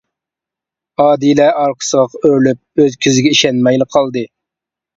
ئادىلە ئارقىسىغا ئۆرۈلۈپ ئۆز كۆزىگە ئىشەنمەيلا قالدى.